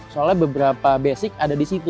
soalnya beberapa basic ada di situ